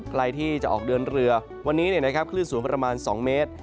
ใครที่จะออกเดินเรือวันนี้คลื่นสูงประมาณ๒เมตร